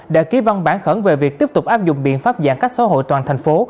đã ký văn bản khẩn về việc tiếp tục áp dụng biện pháp giãn cách xã hội toàn thành phố